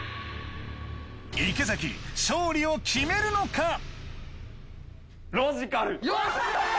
池崎勝利を決めるのか！？